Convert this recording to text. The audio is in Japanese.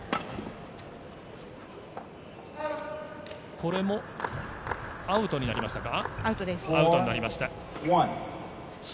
これもアウトになりましたか？